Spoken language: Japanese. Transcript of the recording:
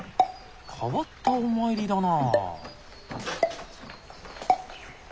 変わったお参りだな。